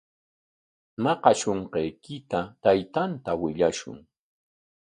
Maqashunqaykita taytanta willashun.